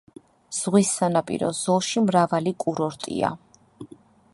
ზღვის სანაპირო ზოლში მრავალი კურორტია.